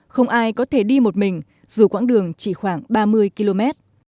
không ai có thể đi một mình dù quãng đường chỉ khoảng ba mươi km